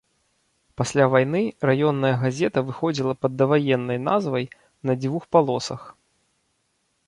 Пасля вайны раённая газета выходзіла пад даваеннай назвай на дзвюх палосах.